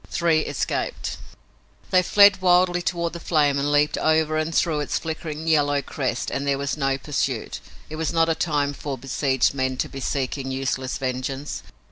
Three escaped. They fled wildly toward the flame and leaped over and through its flickering yellow crest and there was no pursuit. It was not a time for besieged men to be seeking useless vengeance.